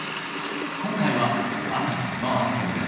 今回はまさにその案件です。